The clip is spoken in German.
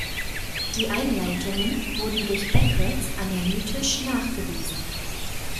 Die Einleitungen wurden durch Beckurts analytisch nachgewiesen.